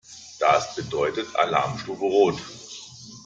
Das bedeutet Alarmstufe Rot.